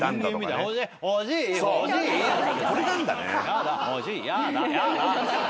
やだ」